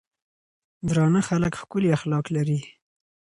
درانۀ خلک ښکلي اخلاق لري.